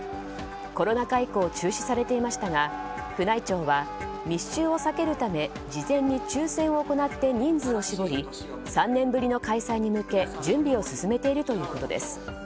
コロナ禍以降中止されていましたが宮内庁は密集を避けるため事前に抽選を行って、人数を絞り３年ぶりの開催に向け準備を進めているということです。